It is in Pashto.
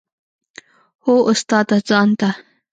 هو استاده ځان ته.